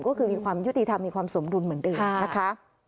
ก็คือมีความยุติธรรมมีความสมดุลเหมือนเดิมนะคะ